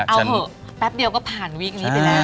เอาเถอะแป๊บเดียวก็ผ่านวีคนี้ไปแล้ว